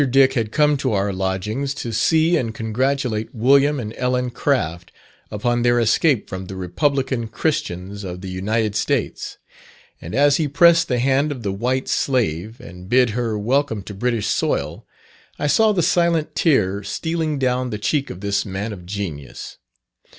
Dick had come to our lodgings to see and congratulate Wm. and Ellen Craft upon their escape from the republican Christians of the United States; and as he pressed the hand of the "white slave," and bid her "welcome to British soil," I saw the silent tear stealing down the cheek of this man of genius.